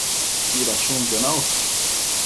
Midashunquio naush?